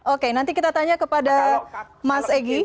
oke nanti kita tanya kepada mas egy